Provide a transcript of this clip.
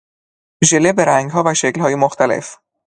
ژله به رنگها و شکلهای مختلف